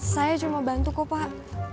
saya cuma bantu kok pak